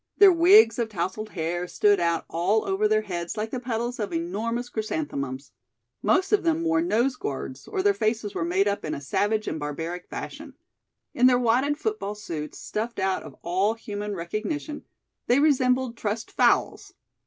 Their wigs of tousled hair stood out all over their heads like the petals of enormous chrysanthemums. Most of them wore nose guards or their faces were made up in a savage and barbaric fashion. In their wadded football suits, stuffed out of all human recognition, they resembled trussed fowls.